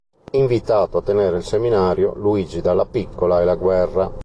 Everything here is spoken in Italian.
Invitato a tenere il Seminario “Luigi Dallapiccola e la guerra.